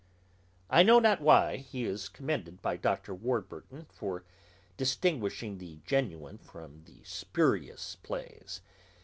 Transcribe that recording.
I know not why he is commended by Dr. Warburton for distinguishing the genuine from the spurious plays.